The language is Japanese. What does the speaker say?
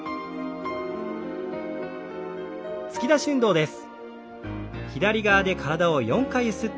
突き出し運動です。